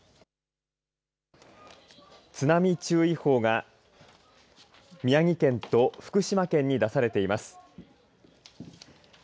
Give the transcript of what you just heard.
津波注意報が宮城県と福島県に出されています。